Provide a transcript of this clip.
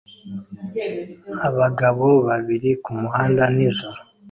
Abagabo babiri kumuhanda nijoro